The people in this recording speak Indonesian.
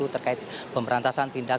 terkait pemberantasan tindak